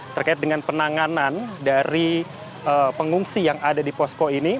terkait dengan penanganan dari pengungsi yang ada di posko ini